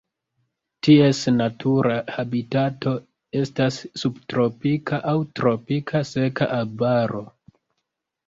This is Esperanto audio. Ties natura habitato estas subtropika aŭ tropika seka arbaro.